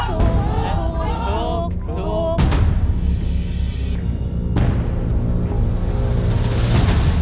ถูกถูกถูก